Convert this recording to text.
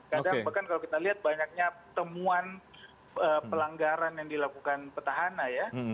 kadang bahkan kalau kita lihat banyaknya temuan pelanggaran yang dilakukan petahana ya